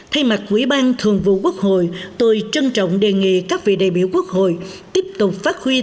thay mặt quỹ ban thường vụ quốc hội tôi trân trọng đề nghị các vị đại biểu quốc hội tiếp tục phát huy